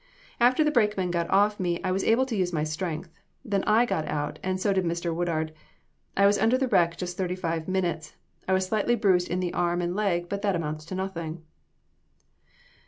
"After the brakeman got off me, I was able to use my strength. Then I got out, and so did Mr. Woodard. I was under the wreck just thirty five minutes. I was slightly bruised in the arm and leg, but that amounts to nothing."